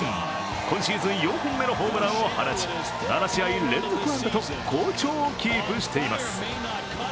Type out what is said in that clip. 今シーズン４本目のホームランを放ち、７試合連続安打と好調をキープしています。